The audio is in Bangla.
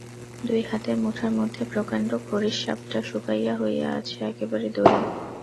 দুই হাতের মুঠার মধ্যে প্রকান্ড খরিস সাপটা শুকাইয়া হইয়া আছে একেবারে দড়ি।